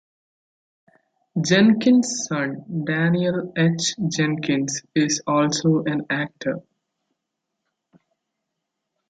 Jenkins' son, Daniel H. Jenkins, is also an actor.